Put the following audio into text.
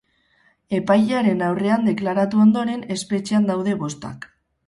Epailearen aurrean deklaratu ondoren, espetxean daude bostak.